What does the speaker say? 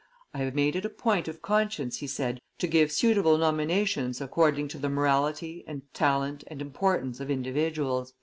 "I have made it a point of conscience," he said, "to give suitable nominations according to the morality, and talent, and importance of individuals."